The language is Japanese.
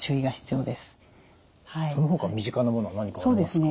そのほか身近なものは何かありますか？